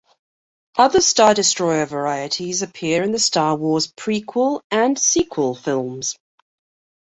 Other Star Destroyer varieties appear in the "Star Wars" prequel and sequel films.